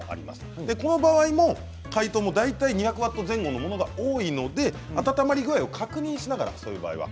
でこの場合も解凍も大体２００ワット前後のものが多いので温まり具合を確認しながらそういう場合は。